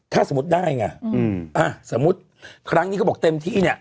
ถ้าสมมุติได้ไงอ่ะสมมุติครั้งนี้เขาบอกเต็มที่เนี่ย